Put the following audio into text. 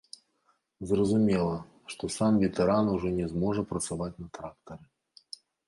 Зразумела, што сам ветэран ужо не зможа працаваць на трактары.